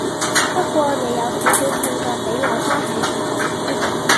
不過你有少少痛腳比我揸係手